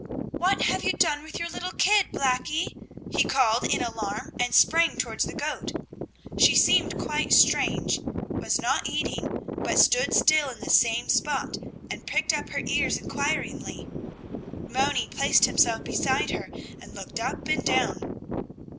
"What have you done with your little kid, Blackie?" he called in alarm and sprang towards the goat. She seemed quite strange, was not eating, but stood still in the same spot and pricked up her ears inquiringly. Moni placed himself beside her and looked up and down.